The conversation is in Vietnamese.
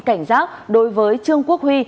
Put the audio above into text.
cảnh giác đối với trương quốc huy